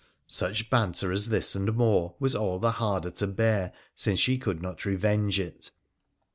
Such banter as this, and more, was all the harder to bear since she could not revenge it.